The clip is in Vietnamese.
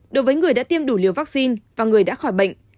đối với người đã tiêm đủ liều vaccine và người đã khỏi bệnh